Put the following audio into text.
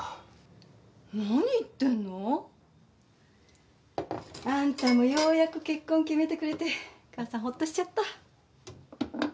何言ってんの？あんたもようやく結婚決めてくれて母さんほっとしちゃった。